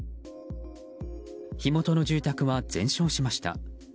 火元の住宅は全焼しました。